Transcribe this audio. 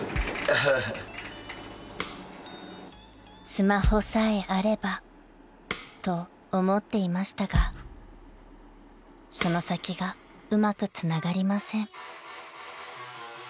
［スマホさえあればと思っていましたがその先がうまくつながりません］